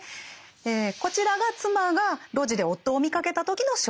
こちらが妻が路地で夫を見かけた時の証言。